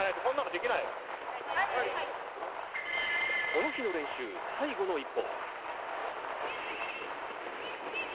この日の練習、最後の１本。